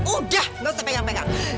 udah gak usah pegang pegang